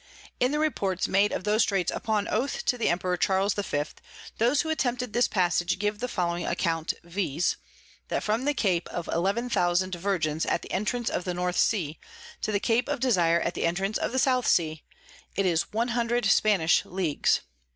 In the Reports made of those Straits upon Oath to the Emperor Charles V. those who attempted this Passage give the following Account, viz. That from the Cape of 11000 Virgins at the Entrance of the North Sea, to the Cape of Desire at the Entrance of the South Sea, is 100 Spanish Ls.